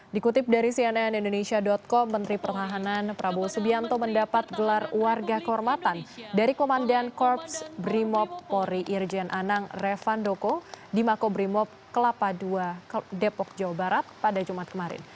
dikutip dari cnn indonesia com menteri pertahanan prabowo subianto mendapat gelar warga kehormatan dari komandan korps brimob polri irjen anang revandoko di makobrimob kelapa ii depok jawa barat pada jumat kemarin